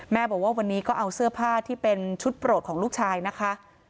บอกว่าวันนี้ก็เอาเสื้อผ้าที่เป็นชุดโปรดของลูกชายนะคะ